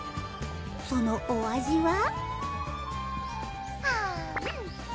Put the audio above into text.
そのお味は？